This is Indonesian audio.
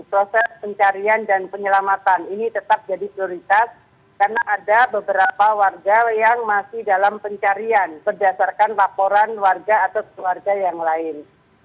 proses pencarian dan penyelamatan ini tetap jadi prioritas karena ada beberapa warga yang masih dalam pencarian berdasarkan laporan warga atau keluarga yang lain